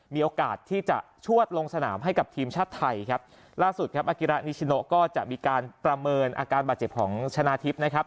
มีโอกาสที่จะชวดลงสนามให้กับทีมชาติไทยครับล่าสุดครับอากิระนิชโนก็จะมีการประเมินอาการบาดเจ็บของชนะทิพย์นะครับ